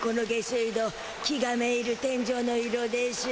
気がめいる天じょうの色でしゅ。